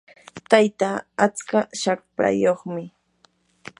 tayta atska shaprayuqmi.